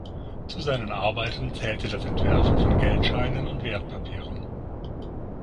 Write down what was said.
Zu seinen Arbeiten zählte das Entwerfen von Geldscheinen und Wertpapieren.